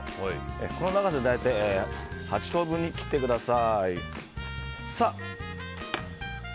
この長さ大体８等分に切ってください。